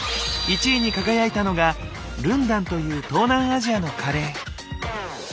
１位に輝いたのがルンダンという東南アジアのカレー。